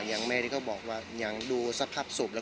มันไม่ใช่แหละมันไม่ใช่แหละ